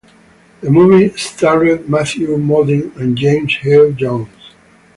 The movie starred Matthew Modine and James Earl Jones.